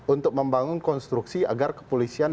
untuk membangun konstruksi agar kepolisian